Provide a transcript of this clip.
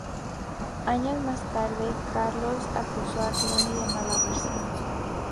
Años más tarde, Carlos acusó a Cluny de malversación.